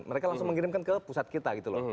mereka langsung mengirimkan ke pusat kita gitu loh